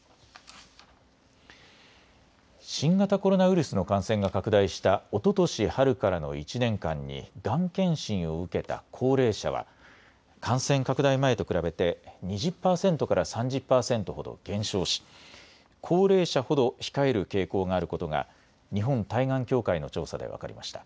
新型コロナウイルスの感染が拡大したおととし春からの１年間にがん検診を受けた高齢者は感染拡大前と比べて２０％から３０％ほど減少し高齢者ほど控える傾向があることが日本対がん協会の調査で分かりました。